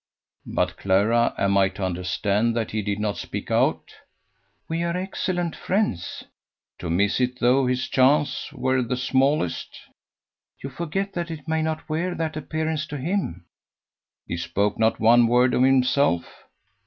"But, Clara, am I to understand that he did not speak out?" "We are excellent friends." "To miss it, though his chance were the smallest!" "You forget that it may not wear that appearance to him." "He spoke not one word of himself?"